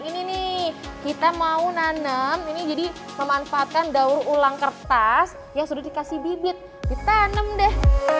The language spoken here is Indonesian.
ini nih kita mau nanem ini jadi memanfaatkan daur ulang kertas yang sudah dikasih bibit ditanam deh